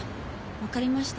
分かりました。